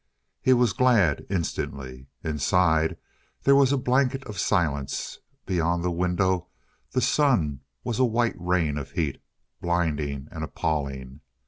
He was glad, instantly. Inside there was a blanket of silence; beyond the window the sun was a white rain of heat, blinding and appalling.